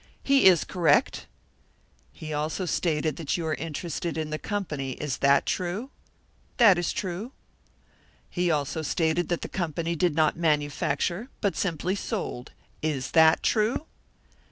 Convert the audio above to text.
"He is correct." "He also stated that you are interested in the company. Is that true?" "That is true." "He also stated that the company did not manufacture, but simply sold. Is that true?"